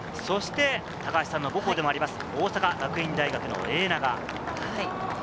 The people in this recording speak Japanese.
高橋さんの母校でもあります、大阪学院大学の永長。